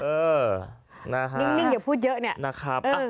เออนะครับนิ่งอย่าพูดเยอะเนี่ย